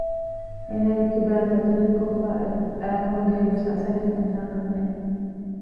އޭނާގެ ކިބައިން ދަތުރެއްކޮށްފައި އައިކަމުގެ އެއްވެސް އަސަރެއް ފެންނާކަށް ނެތް